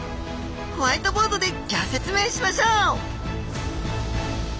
ホワイトボードでギョ説明しましょう！